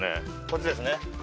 こっちですね。